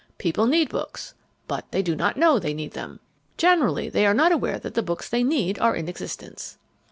People need books, but they don't know they need them. Generally they are not aware that the books they need are in existence."